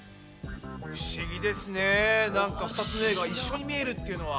不思議ですねなんか２つの絵が一緒に見えるっていうのは。